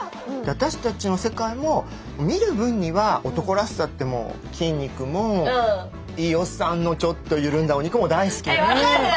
私たちの世界も見る分には男らしさって筋肉もいいおっさんのちょっと緩んだお肉も大好きなんだけど。